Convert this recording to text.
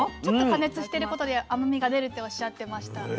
ちょっと加熱してることで甘みが出るっておっしゃってました。